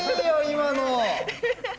今の。